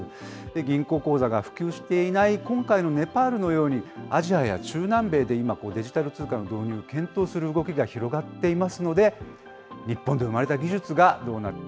銀行口座が普及していない今回のネパールのように、アジアや中南米で今、デジタル通貨の導入を検討する動きが広がっていますので、日本で生まれた技術がどうなって